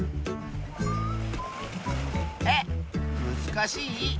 えっむずかしい？